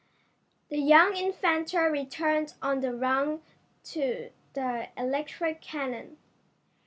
The young inventor returned on the run to the electric cannon.